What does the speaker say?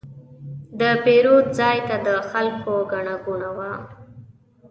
د پیرود ځای ته د خلکو ګڼه ګوڼه وه.